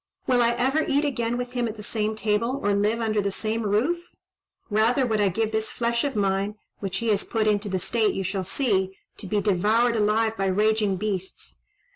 Will I ever eat again with him at the same table, or live under the same roof? Rather would I give this flesh of mine, which he has put into the state you shall see, to be devoured alive by raging beasts."